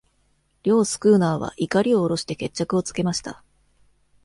両スクーナーは錨を下ろして決着をつけました。